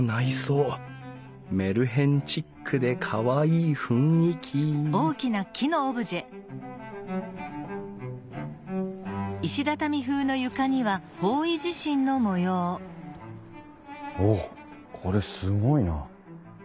メルヘンチックでかわいい雰囲気おっこれすごいな。